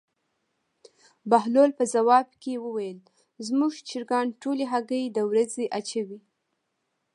بهلول په ځواب کې وویل: زموږ چرګان ټولې هګۍ د ورځې اچوي.